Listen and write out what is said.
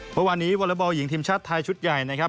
เมื่อวานนี้วอเลอร์บอลหญิงทีมชาติไทยชุดใหญ่นะครับ